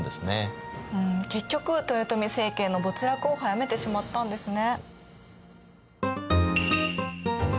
うん結局豊臣政権の没落を早めてしまったんですね。